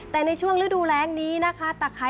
แต่ในช่วงฤดูแรงนี้นะคะ